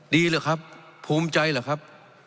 ดีเหรอครับภูมิใจเหรอครับ